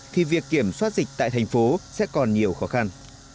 thì việc kiểm soát dịch tại thành phố sẽ còn nhiều khó khăn